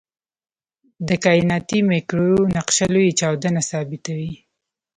د کائناتي مایکروویو نقشه لوی چاودنه ثابتوي.